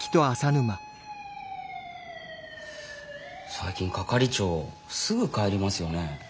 最近係長すぐ帰りますよね。